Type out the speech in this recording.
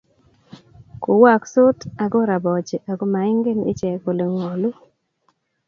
kowaksot ago rabachi ago maingen iche kole ngalu